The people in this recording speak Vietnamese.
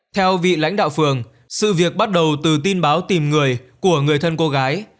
theo vị lãnh đạo phường sự việc bắt đầu từ tin báo tìm người của người thân cô gái